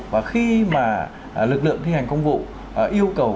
và khi mà lực lượng thi hành công vụ yêu cầu